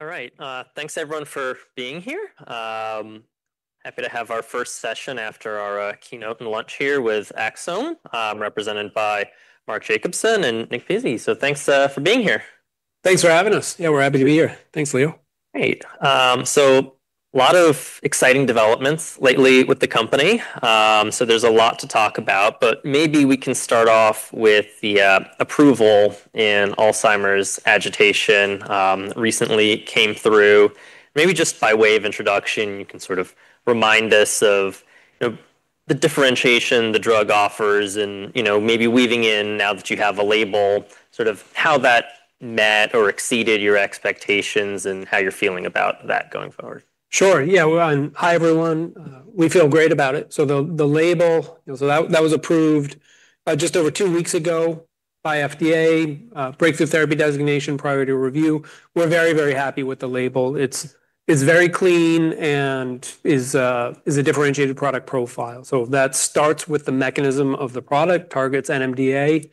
All right, thanks everyone for being here. Happy to have our first session after our keynote and lunch here with Axsome, represented by Mark Jacobson and Nick Pizzie. Thanks for being here. Thanks for having us. Yeah, we're happy to be here. Thanks, Leo. Great. A lot of exciting developments lately with the company. There's a lot to talk about, but maybe we can start off with the approval in Alzheimer's agitation recently came through. Maybe just by way of introduction, you can sort of remind us of, you know, the differentiation the drug offers and, you know, maybe weaving in now that you have a label, sort of how that met or exceeded your expectations and how you're feeling about that going forward. Sure, yeah. Well, hi, everyone. We feel great about it. The label, you know, that was approved just over two weeks ago by FDA, breakthrough therapy designation priority review. We're very, very happy with the label. It's very clean and is a differentiated product profile. That starts with the mechanism of the product, targets NMDA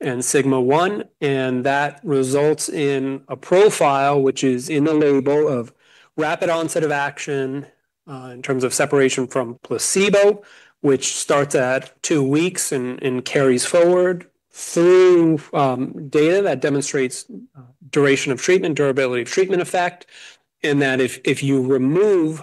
and sigma-1, and that results in a profile which is in the label of rapid onset of action, in terms of separation from placebo, which starts at two weeks and carries forward through data that demonstrates duration of treatment, durability of treatment effect, in that if you remove,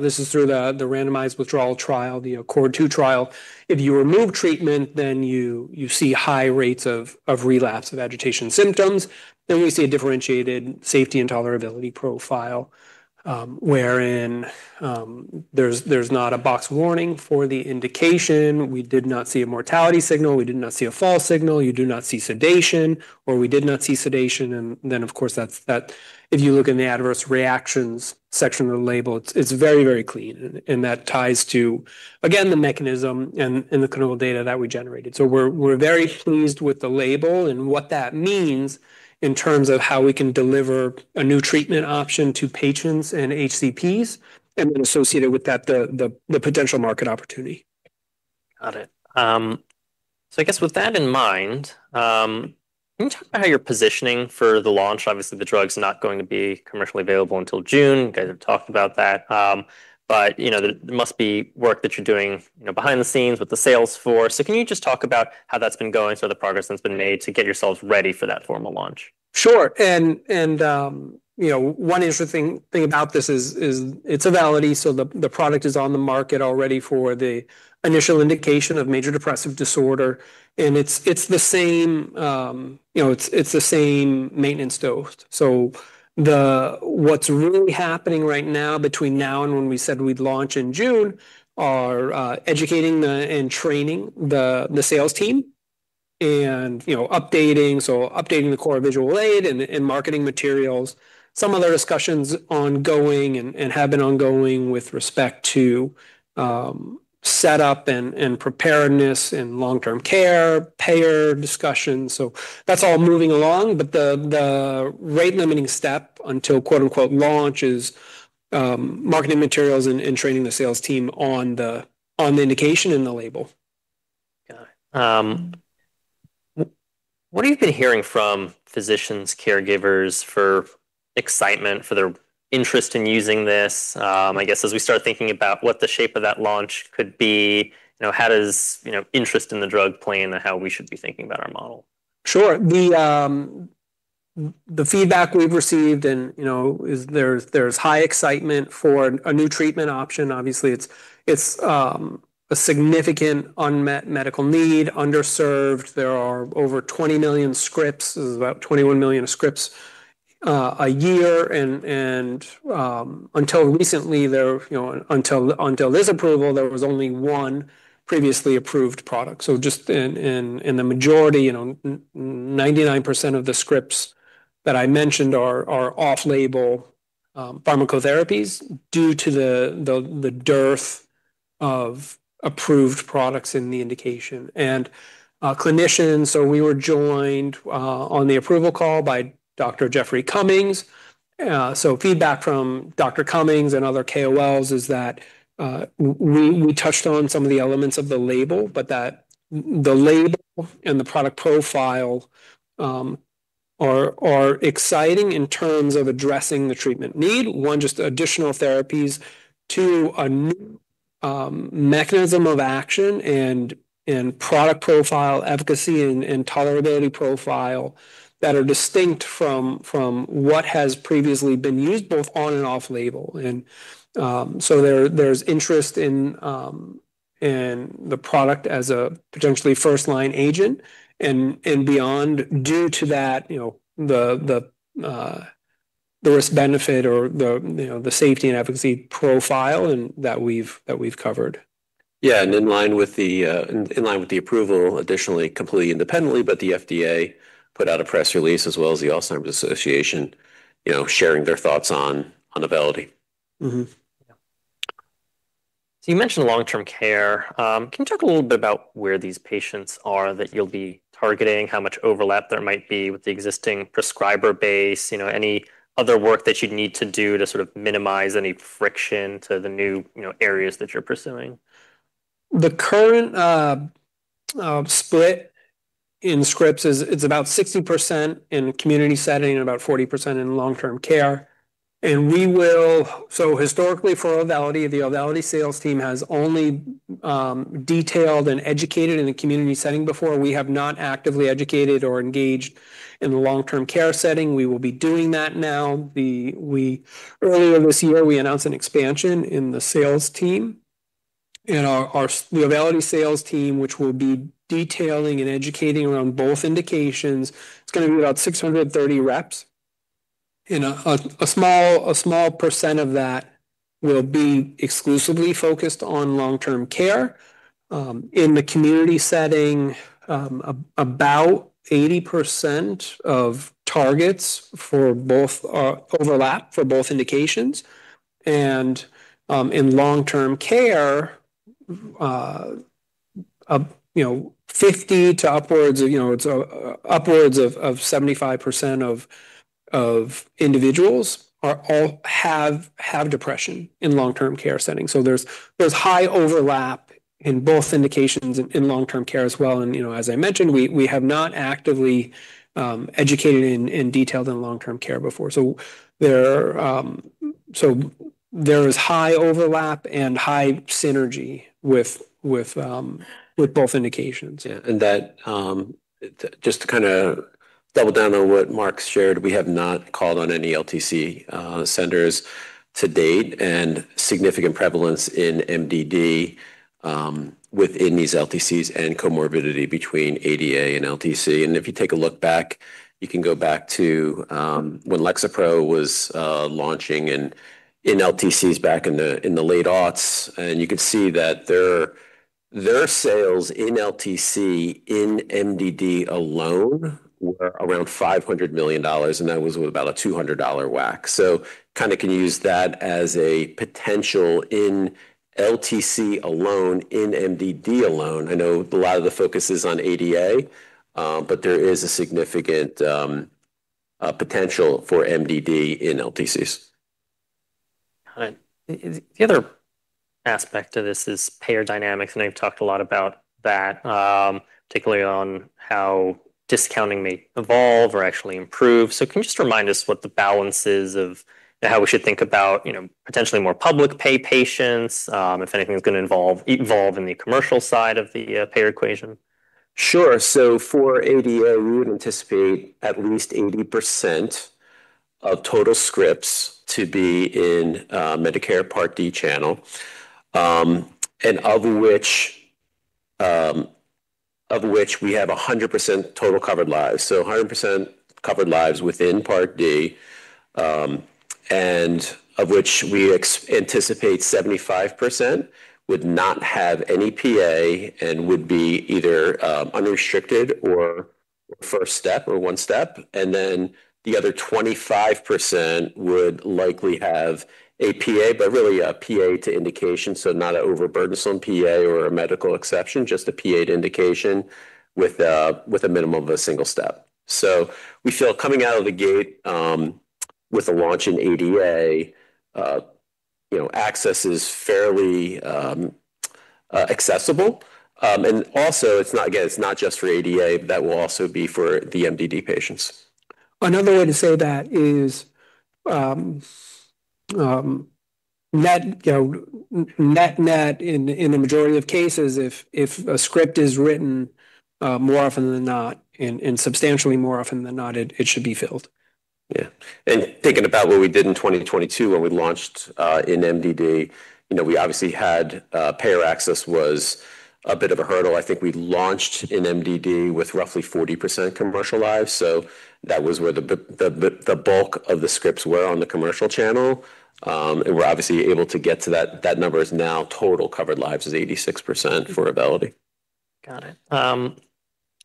this is through the randomized withdrawal trial, the ACCORD-2 trial, if you remove treatment, then you see high rates of relapse, of agitation symptoms. We see a differentiated safety and tolerability profile, wherein there's not a box warning for the indication. We did not see a mortality signal. We did not see a false signal. We did not see sedation. If you look in the adverse reactions section of the label, it's very clean and that ties to, again, the mechanism and the clinical data that we generated. We're very pleased with the label and what that means in terms of how we can deliver a new treatment option to patients and HCPs, and associated with that the potential market opportunity. Got it. I guess with that in mind, can you talk about how you're positioning for the launch? Obviously, the drug's not going to be commercially available until June. You guys have talked about that. You know, there must be work that you're doing, you know, behind the scenes with the sales floor. Can you just talk about how that's been going? The progress that's been made to get yourselves ready for that formal launch. Sure. you know, one interesting thing about this is it's AUVELITY, the product is on the market already for the initial indication of major depressive disorder, and it's the same, you know, it's the same maintenance dose. What's really happening right now between now and when we said we'd launch in June are educating the, and training the sales team and, you know, updating the core visual aid and marketing materials. Some of the discussions ongoing and have been ongoing with respect to set up and preparedness and long-term care, payer discussions. That's all moving along. But the rate-limiting step until, quote-unquote, "launch" is marketing materials and training the sales team on the indication and the label. Got it. What have you been hearing from physicians, caregivers for excitement, for their interest in using this? I guess as we start thinking about what the shape of that launch could be, you know, how does, you know, interest in the drug play into how we should be thinking about our model? Sure. The feedback we've received and, you know, there's high excitement for a new treatment option. Obviously, a significant unmet medical need, underserved. There are over 20 million scripts. This is about 21 million scripts a year and until this approval, there was only one previously approved product. Just in the majority, 99% of the scripts that I mentioned are off-label pharmacotherapies due to the dearth of approved products in the indication. Clinicians, so we were joined on the approval call by Dr. Jeffrey Cummings. Feedback from Dr. Cummings and other KOLs is that we touched on some of the elements of the label, but that the label and the product profile are exciting in terms of addressing the treatment need. One, just additional therapies. Two, a new mechanism of action and product profile efficacy and tolerability profile that are distinct from what has previously been used both on and off label. There's interest in the product as a potentially first-line agent and beyond due to that, you know, the risk-benefit or the, you know, the safety and efficacy profile and that we've covered. Yeah. In line with the in line with the approval, additionally, completely independently, but the FDA put out a press release as well as the Alzheimer's Association, you know, sharing their thoughts on AUVELITY. Yeah. You mentioned long-term care. Can you talk a little bit about where these patients are that you'll be targeting, how much overlap there might be with the existing prescriber base? You know, any other work that you'd need to do to sort of minimize any friction to the new, you know, areas that you're pursuing? The current split in scripts is, it's about 60% in community setting and about 40% in long-term care. Historically for AUVELITY, the AUVELITY sales team has only detailed and educated in a community setting before. We have not actively educated or engaged in the long-term care setting. We will be doing that now. Earlier this year, we announced an expansion in the sales team, in the AUVELITY sales team, which will be detailing and educating around both indications. It's gonna be about 630 reps. In a small percent of that will be exclusively focused on long-term care. In the community setting, about 80% of targets for both overlap for both indications. In long-term care, up, you know, 50 to upwards of, you know, upwards of 75% of individuals are all have depression in long-term care settings. There's high overlap in both indications in long-term care as well. You know, as I mentioned, we have not actively educated and detailed in long-term care before. There is high overlap and high synergy with both indications. Yeah. That, just to kinda double down on what Mark shared, we have not called on any LTC centers to date, and significant prevalence in MDD within these LTCs and comorbidity between AD agitation and LTC. If you take a look back, you can go back to when Lexapro was launching in LTCs back in the late aughts, and you could see that their sales in LTC in MDD alone were around $500 million, and that was with about a $200 WAC. Kinda can use that as a potential in LTC alone, in MDD alone. I know a lot of the focus is on AD agitation, but there is a significant potential for MDD in LTCs. Got it. The other aspect of this is payer dynamics, and they've talked a lot about that, particularly on how discounting may evolve or actually improve. Can you just remind us what the balance is of how we should think about, you know, potentially more public pay patients, if anything's gonna evolve in the commercial side of the payer equation? Sure. For ADA, we would anticipate at least 80% of total scripts to be in a Medicare Part D channel, of which we have 100% total covered lives. 100% covered lives within Part D, of which we anticipate 75% would not have any PA and would be either unrestricted or first step or one step. The other 25% would likely have a PA, but really a PA to indication, so not an overburdensome PA or a medical exception, just a PA to indication with a minimum of a single step. We feel coming out of the gate, with the launch in ADA, you know, access is fairly accessible. It's not, again, it's not just for ADA, but that will also be for the MDD patients. Another way to say that is, you know, net-net in the majority of cases, if a script is written, more often than not, and substantially more often than not, it should be filled. Yeah. Thinking about what we did in 2022 when we launched in MDD, you know, we obviously had payer access was a bit of a hurdle. I think we launched in MDD with roughly 40% commercial lives. That was where the bulk of the scripts were on the commercial channel. We're obviously able to get to that. That number is now total covered lives is 86% for AUVELITY. Got it.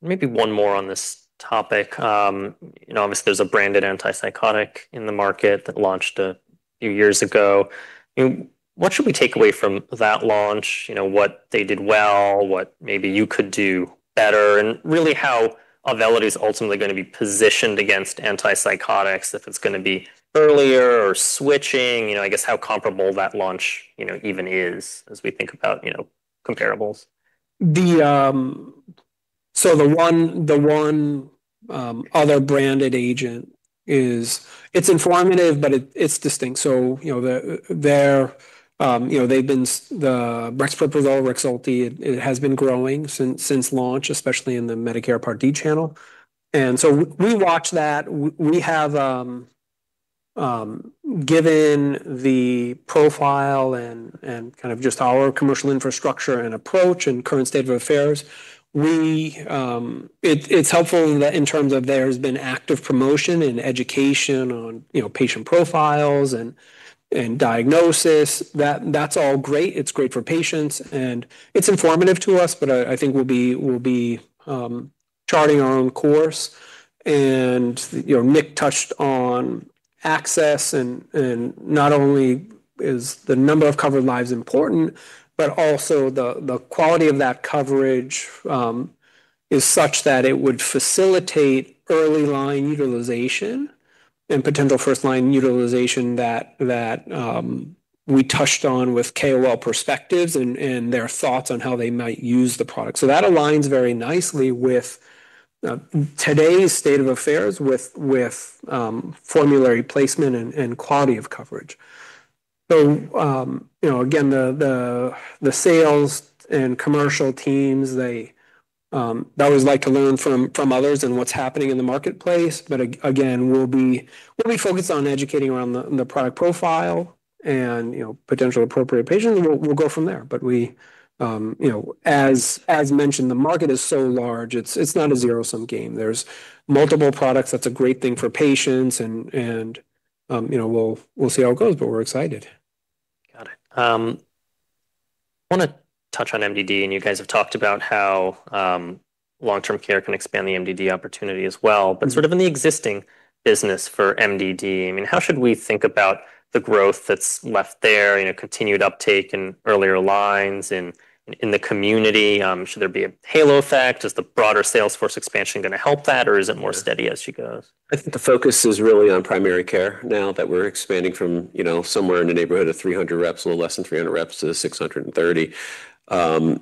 Maybe one more on this topic. You know, obviously, there's a branded antipsychotic in the market that launched a few years ago. You know, what should we take away from that launch? You know, what they did well, what maybe you could do better, and really how AUVELITY is ultimately gonna be positioned against antipsychotics, if it's gonna be earlier or switching. You know, I guess how comparable that launch, you know, even is as we think about, you know, comparables. The one other branded agent, it's informative, but it's distinct. You know, their, you know, they've been the brexpiprazole Rexulti, it has been growing since launch, especially in the Medicare Part D channel. We watch that. We have given the profile and kind of just our commercial infrastructure and approach and current state of affairs. It's helpful in that, in terms of there's been active promotion and education on, you know, patient profiles and diagnosis. That's all great. It's great for patients, and it's informative to us, but I think we'll be charting our own course. You know, Nick touched on access and not only is the number of covered lives important, but also the quality of that coverage Is such that it would facilitate early line utilization and potential first line utilization that we touched on with KOL perspectives and their thoughts on how they might use the product. That aligns very nicely with today's state of affairs with formulary placement and quality of coverage. You know, again, the sales and commercial teams, they always like to learn from others and what's happening in the marketplace. Again, we'll be focused on educating around the product profile and, you know, potential appropriate patients, and we'll go from there. We, you know, as mentioned, the market is so large, it's not a zero-sum game. There's multiple products. That's a great thing for patients and, you know, we'll see how it goes, but we're excited. Got it. Wanna touch on MDD, and you guys have talked about how long-term care can expand the MDD opportunity as well. Sort of in the existing business for MDD, I mean, how should we think about the growth that's left there, you know, continued uptake in earlier lines, in the community? Should there be a halo effect? Is the broader sales force expansion gonna help that, or is it more steady as she goes? I think the focus is really on primary care now that we're expanding from, you know, somewhere in the neighborhood of 300 reps, a little less than 300 reps to 630. As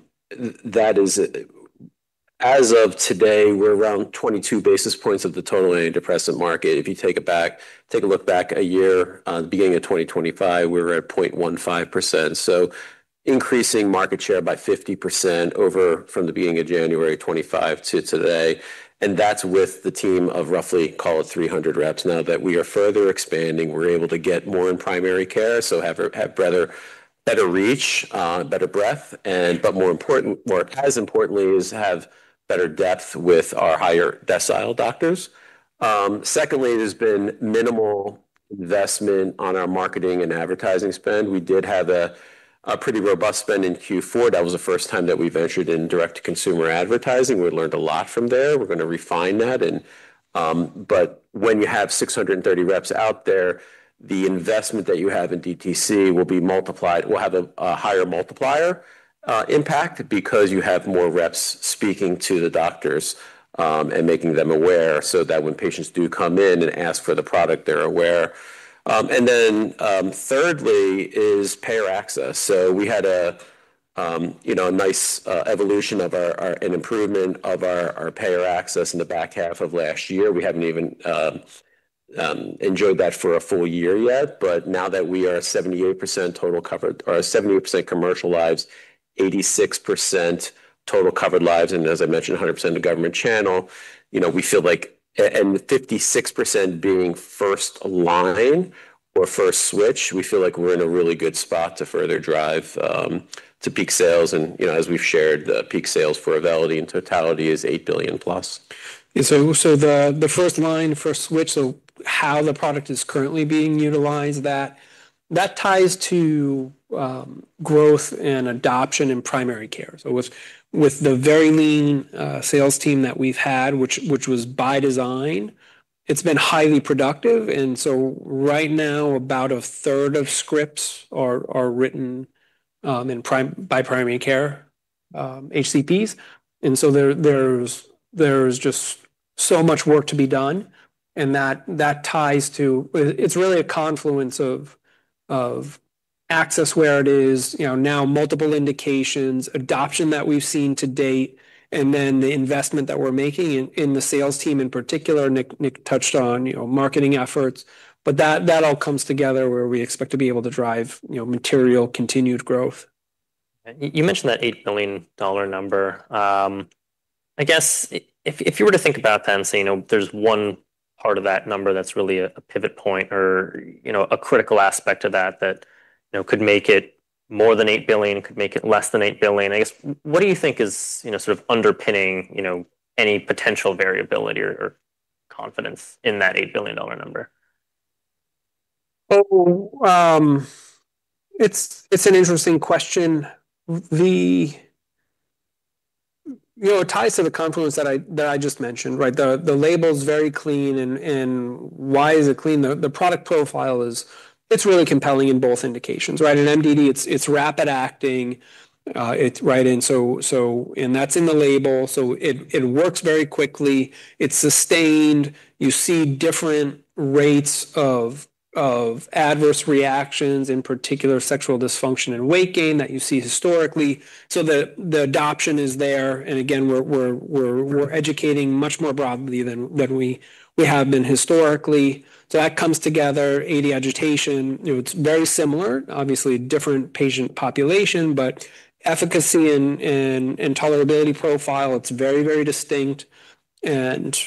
of today, we're around 22 basis points of the total antidepressant market. If you take it back, take a look back a year, beginning of 2025, we were at 0.15%. Increasing market share by 50% over, from the beginning of January of 2025 to today, and that's with the team of roughly, call it 300 reps. Now that we are further expanding, we're able to get more in primary care, so have better reach, better breadth, but more important or as importantly is to have better depth with our higher decile doctors. Secondly, there's been minimal investment on our marketing and advertising spend. We did have a pretty robust spend in Q4. That was the first time that we ventured in direct-to-consumer advertising. We learned a lot from there. We're gonna refine that. When you have 630 reps out there, the investment that you have in DTC will be multiplied. We'll have a higher multiplier impact, because you have more reps speaking to the doctors and making them aware, so that when patients do come in and ask for the product, they're aware. Thirdly is payer access. We had a, you know, a nice evolution of an improvement of payer access in the back half of last year. We haven't even enjoyed that for a full year yet. Now that we are 78% total covered, or 70% commercial lives, 86% total covered lives, and as I mentioned, 100% of government channel, you know, we feel like and with 56% being first line or first switch, we feel like we're in a really good spot to further drive to peak sales. You know, as we've shared, the peak sales for AUVELITY in totality is $8 billion+. The first line, first switch of how the product is currently being utilized, that ties to growth and adoption in primary care. With the very lean sales team that we've had, which was by design, it's been highly productive. Right now, about 1/3 of scripts are written by primary care HCPs. There's just so much work to be done, and that ties to It's really a confluence of access where it is, you know, now multiple indications, adoption that we've seen to date, and then the investment that we're making in the sales team in particular. Nick touched on, you know, marketing efforts. That all comes together where we expect to be able to drive, you know, material continued growth. You mentioned that $8 billion number. I guess if you were to think about then, say, you know, there's one part of that number that's really a pivot point or, you know, a critical aspect of that, you know, could make it more than $8 billion, could make it less than $8 billion. I guess, what do you think is, you know, sort of underpinning, you know, any potential variability or confidence in that $8 billion number? It's an interesting question. You know, it ties to the confluence that I just mentioned, right? The label's very clean, and why is it clean? The product profile, it's really compelling in both indications, right? In MDD, it's rapid acting. It's right in. That's in the label. It works very quickly. It's sustained. You see different rates of adverse reactions, in particular sexual dysfunction and weight gain that you see historically. The adoption is there, and again, we're educating much more broadly than we have been historically. That comes together. AD agitation, you know, it's very similar. Obviously, different patient population, but efficacy and tolerability profile, it's very, very distinct and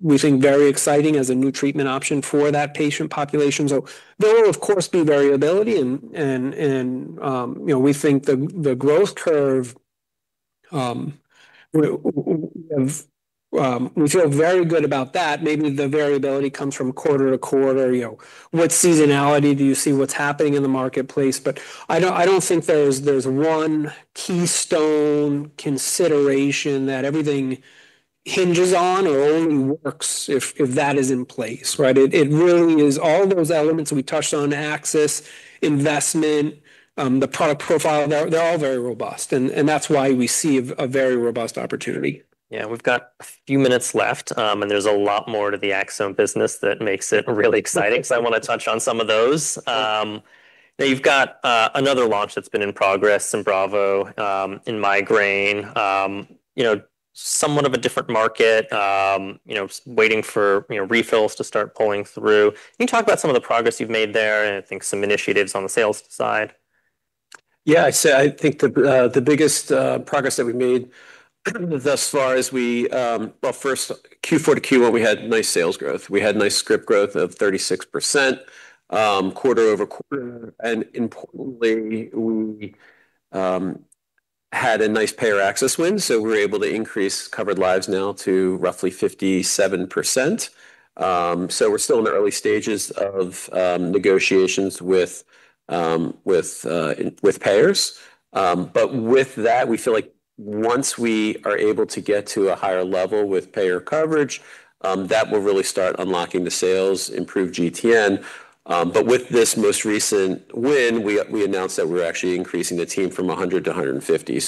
we think very exciting as a new treatment option for that patient population. There will, of course, be variability and, you know, we think the growth curve we have, we feel very good about that. Maybe the variability comes from quarter to quarter. You know, what seasonality do you see? What's happening in the marketplace? I don't think there's one keystone consideration that everything hinges on or only works if that is in place, right? It really is all those elements that we touched on, access, investment, the product profile. They're all very robust and that's why we see a very robust opportunity. Yeah. We've got a few minutes left, and there's a lot more to the Axsome business that makes it really exciting, so I want to touch on some of those. Now you've got another launch that's been in progress, SYMBRAVO, in migraine. You know, somewhat of a different market, you know, waiting for, you know, refills to start pulling through. Can you talk about some of the progress you've made there and, I think, some initiatives on the sales side? I think the biggest progress that we've made thus far is Q4 to Q1 we had nice sales growth. We had nice script growth of 36% quarter-over-quarter, we had a nice payer access win, so we're able to increase covered lives now to roughly 57%. We're still in the early stages of negotiations with payers. With that, we feel like once we are able to get to a higher level with payer coverage, that will really start unlocking the sales, improve GTN. With this most recent win, we announced that we're actually increasing the team from 100 to 150.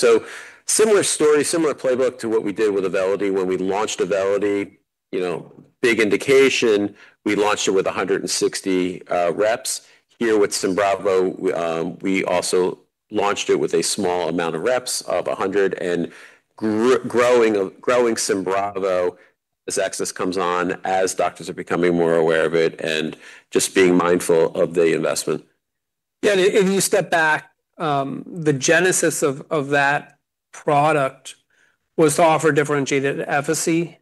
Similar story, similar playbook to what we did with AUVELITY. When we launched AUVELITY, you know, big indication, we launched it with 160 reps. Here with SYMBRAVO we also launched it with a small amount of reps of 100, and growing SYMBRAVO as access comes on, as doctors are becoming more aware of it, and just being mindful of the investment. Yeah. If you step back, the genesis of that product was to offer differentiated efficacy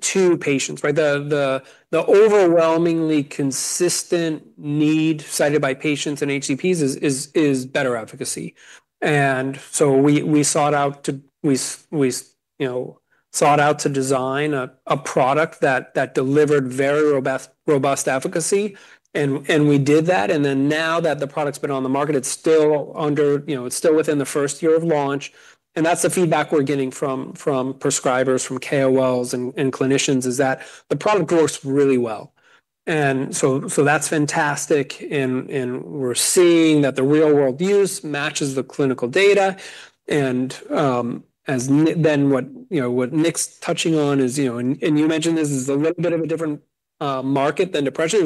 to patients, right? The overwhelmingly consistent need cited by patients and HCPs is better efficacy. We, you know, sought out to design a product that delivered very robust efficacy, and we did that. Now that the product's been on the market, it's still under, you know, it's still within the first year of launch, and that's the feedback we're getting from prescribers, from KOLs and clinicians, is that the product works really well. So that's fantastic and we're seeing that the real world use matches the clinical data. It's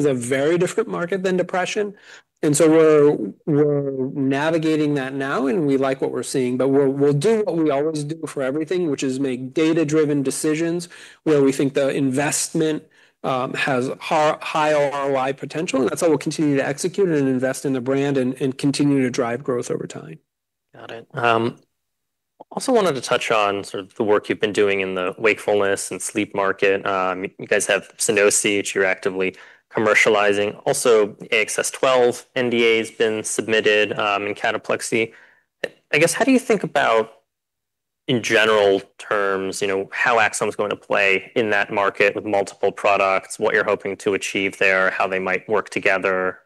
a very different market than depression, and so we're navigating that now and we like what we're seeing. We'll do what we always do for everything, which is make data-driven decisions where we think the investment has high ROI potential. That's how we'll continue to execute and invest in the brand and continue to drive growth over time. Got it. Also wanted to touch on sort of the work you've been doing in the wakefulness and sleep market. You guys have Sunosi, which you're actively commercializing, also AXS-12 NDA's been submitted in cataplexy. I guess how do you think about in general terms, you know, how Axsome's going to play in that market with multiple products, what you're hoping to achieve there, how they might work together?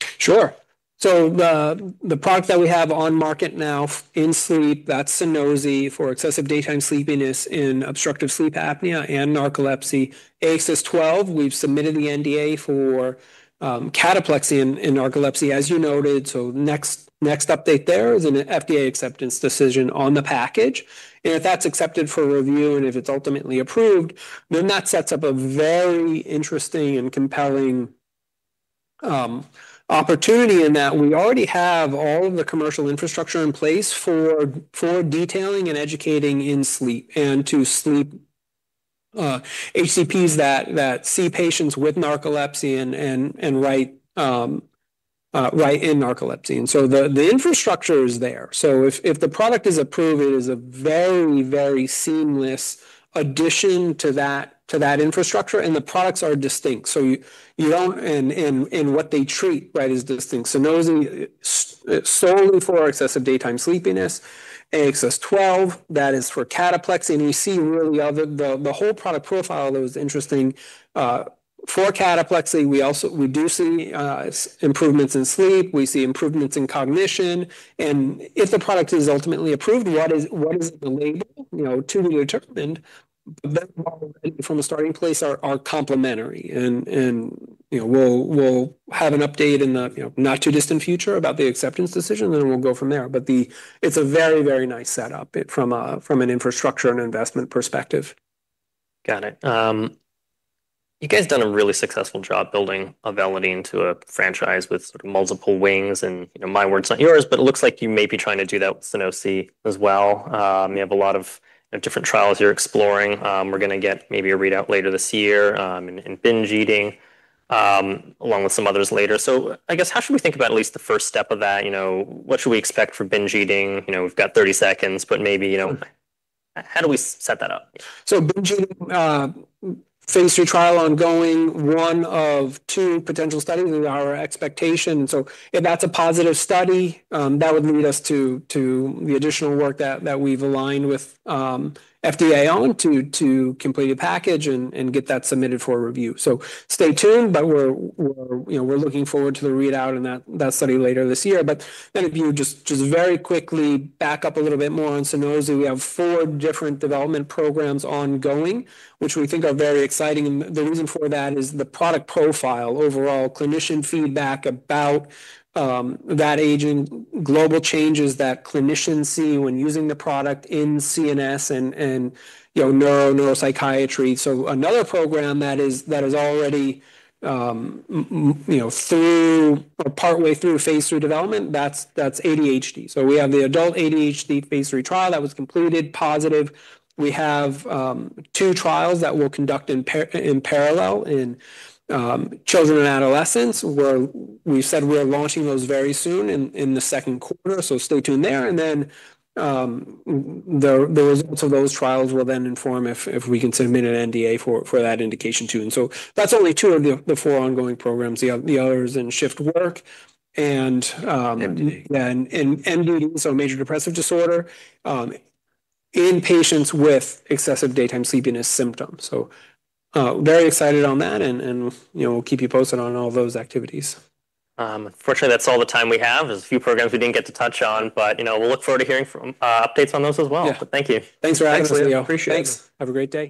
Sure. The product that we have on market now in sleep, that's Sunosi for excessive daytime sleepiness in obstructive sleep apnea and narcolepsy. AXS-12, we've submitted the NDA for cataplexy in narcolepsy, as you noted. Next update there is an FDA acceptance decision on the package. If that's accepted for review and if it's ultimately approved, that sets up a very interesting and compelling opportunity in that we already have all of the commercial infrastructure in place for detailing and educating in sleep and to sleep HCPs that see patients with narcolepsy and write in narcolepsy. The infrastructure is there. If the product is approved, it is a very seamless addition to that infrastructure, and the products are distinct. What they treat, right, is distinct. Sunosi, solely for our excessive daytime sleepiness. AXS-12, that is for cataplexy. You see really the whole product profile though is interesting. For cataplexy we also we do see improvements in sleep, we see improvements in cognition, and if the product is ultimately approved, what is the label, you know, to be determined. From a starting place are complementary and, you know, we'll have an update in the, you know, not too distant future about the acceptance decision, then we'll go from there. It's a very nice setup from an infrastructure and investment perspective. Got it. You guys done a really successful job building AUVELITY into a franchise with sort of multiple wings and, you know, my words, not yours, but it looks like you may be trying to do that with Sunosi as well. You have a lot of, you know, different trials you're exploring. We're gonna get maybe a readout later this year, in binge eating, along with some others later. I guess how should we think about at least the first step of that? You know, what should we expect for binge eating? You know, we've got 30 seconds, but maybe, you know, how do we set that up? Binge eating, Phase III trial ongoing, one of two potential studies is our expectation. If that's a positive study, that would lead us to the additional work that we've aligned with FDA on to complete a package and get that submitted for review. Stay tuned, but we're, you know, we're looking forward to the readout in that study later this year. If you just very quickly back up a little bit more on Sunosi, we have four different development programs ongoing which we think are very exciting, and the reason for that is the product profile, overall clinician feedback about that agent, global changes that clinicians see when using the product in CNS and, you know, neuropsychiatry. Another program that is already, you know, through or partway through phase III development, that's ADHD. We have the adult ADHD phase III trial that was completed positive. We have two trials that we'll conduct in parallel in children and adolescents, where we said we're launching those very soon in the second quarter. Stay tuned there. The results of those trials will then inform if we can submit an NDA for that indication too. That's only two of the four ongoing programs. The other is in shift work. MD. Yeah, in MD, major depressive disorder, in patients with excessive daytime sleepiness symptoms. Very excited on that and, you know, we'll keep you posted on all those activities. Unfortunately that's all the time we have. There's a few programs we didn't get to touch on, but, you know, we'll look forward to hearing from updates on those as well. Yeah. Thank you. Thanks for having us, Leo. Thanks, Leo. Appreciate it. Thanks. Have a great day.